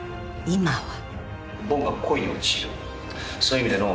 今は？